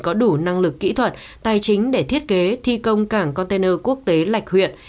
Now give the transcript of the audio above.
có đủ năng lực kỹ thuật tài chính để thiết kế thi công cảng container quốc tế lạch huyện